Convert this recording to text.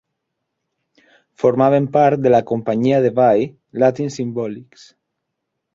Formaven part de la companyia de ball Latin Symbolics.